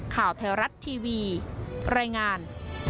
ข่าวไทยรัฐทีวีรายงาน